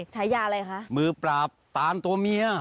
ฉายาอะไรคะมือปราบตามตัวเมีย